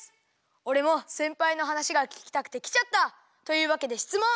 おれもせんぱいのはなしがききたくてきちゃった！というわけでしつもん！